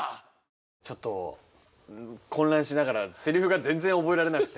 ちょっと混乱しながらせりふが全然覚えられなくて。